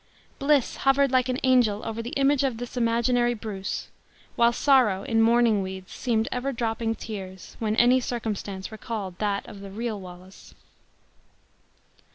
Bliss hovered like an angel over the image of this imaginary Bruce; while sorrow, in mourning weeds, seemed ever dropping tears, when any circumstance recalled that of the real Wallace.